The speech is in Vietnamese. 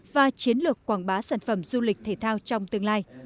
và chiến lược quảng bá sản phẩm du lịch thể thao trong tương lai